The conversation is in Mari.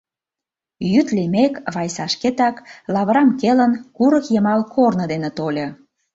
Йӱд лиймек, Вайса шкетак, лавырам келын, курык йымал корно дене тольо.